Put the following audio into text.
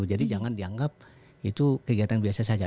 jadi jangan dianggap itu kegiatan biasa saja